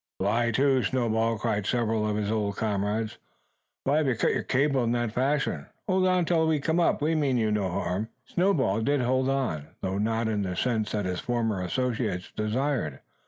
"Lie to, Snowball!" cried several of his old comrades. "Why have you cut your cable in that fashion? Hold on till we come up. We mean you no harm!" Snowball did hold on; though not in the sense that his former associates desired.